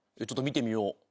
ちょっと見てみよう。